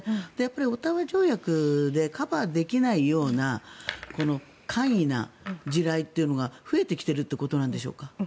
オタワ条約でカバーできないような簡易な地雷というのが増えてきてるということなんでしょうか。